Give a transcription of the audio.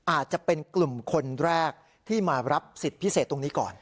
อาจจะเป็นกลุ่มคนแรกที่มารับสิทธิ์พิเศษตรงนี้ก่อน